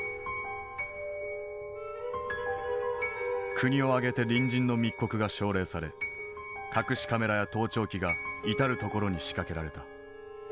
国を挙げて隣人の密告が奨励され隠しカメラや盗聴器が至る所に仕掛けられた。